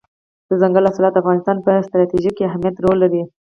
دځنګل حاصلات د افغانستان په ستراتیژیک اهمیت کې رول لري.